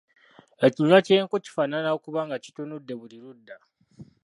Ekinywa ky’enku kifaanana okuba nga kitunudde buli ludda.